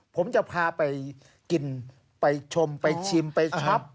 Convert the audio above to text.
ผมจะพาไปกินไปชมไปชิมไปช็อป